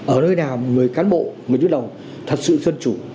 ở nơi nào người cán bộ người đứng đầu thật sự dân chủ